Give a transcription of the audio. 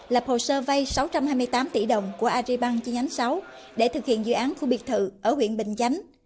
lập hồ sơ vay sáu trăm hai mươi tám tỷ đồng của ariban chi nhánh sáu để thực hiện dự án khu biệt thự ở huyện bình chánh